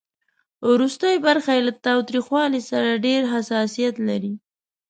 ورستۍ برخه یې له تریخوالي سره ډېر حساسیت لري.